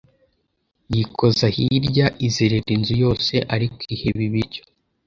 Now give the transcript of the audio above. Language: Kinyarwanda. Yikoza hirya, izerera inzu yose ariko iheba ibiryo